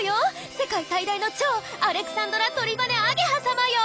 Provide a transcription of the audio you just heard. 世界最大の蝶アレクサンドラトリバネアゲハ様よ！